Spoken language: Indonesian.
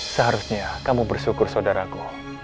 seharusnya kamu bersyukur saudaraku